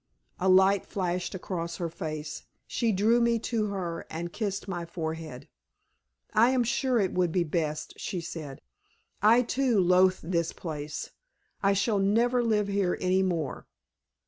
A light flashed across her face. She drew me to her and kissed my forehead. "I am sure it would be best," she said. "I too loathe this place! I shall never live here any more.